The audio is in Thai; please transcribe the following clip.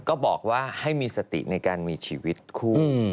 ก็บอกว่าให้มีสติในการมีชีวิตคู่